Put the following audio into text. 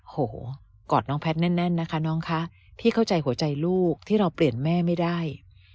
โหกอดน้องแพทย์แน่นนะคะน้องคะพี่เข้าใจหัวใจลูกที่เราเปลี่ยนแม่ไม่ได้